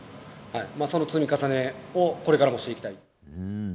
その積み重ねをこれからもしていきたい。